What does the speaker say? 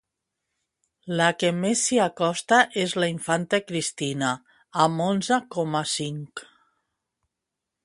La que més s'hi acosta és la infanta Cristina, amb onze coma cinc.